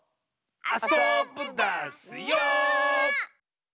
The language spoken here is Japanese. あそぶダスよ！